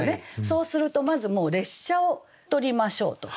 そうするとまずもう「列車」を取りましょうと。